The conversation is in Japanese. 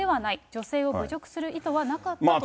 女性を侮辱する意図はなかったとしています。